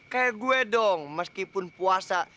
kayak gue dong meskipun puasa